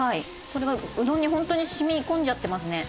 それがうどんにホントに染み込んじゃってますね。